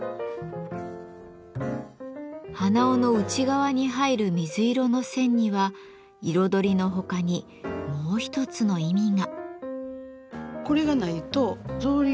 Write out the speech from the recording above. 鼻緒の内側に入る水色の線には彩りのほかにもう一つの意味が。